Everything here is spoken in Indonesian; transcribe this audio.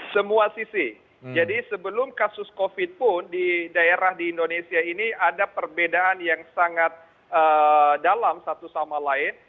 semua sisi jadi sebelum kasus covid pun di daerah di indonesia ini ada perbedaan yang sangat dalam satu sama lain